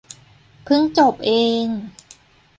เพิ่งจบเอง